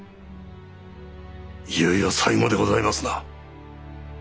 いよいよ最後でございますな。